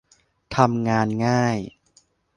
ทำงานง่าย